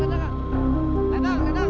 ledang ledang ledang